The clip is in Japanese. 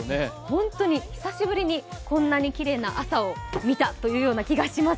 本当に久しぶりにこんなにきれいな朝を見たという気がします。